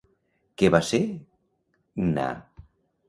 Què va ser Gná?